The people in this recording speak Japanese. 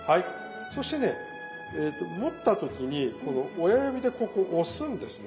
そしてね持った時にこの親指でここ押すんですね。